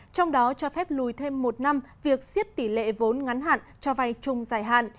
trong đó cho phép lùi thêm một năm việc xiết tỷ lệ vốn ngắn hạn cho vay chung giải hạn